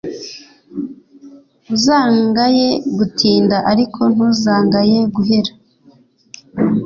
uzangaye gutinda ariko ntuzangaye guhera